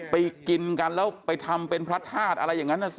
ไปกินกันแล้วไปทำเป็นพระธาตุอะไรอย่างนั้นนะสิ